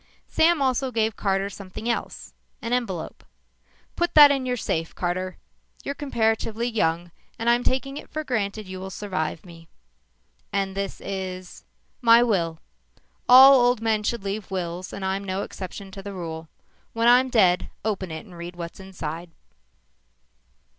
Sam also gave Carter something else an envelope. "Put that in your safe, Carter. You're comparatively young. I'm taking it for granted you will survive me." "And this is ?" "My will. All old men should leave wills and I'm no exception to the rule. When I'm dead, open it and read what's inside."